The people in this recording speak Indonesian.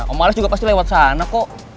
om males juga pasti lewat sana kok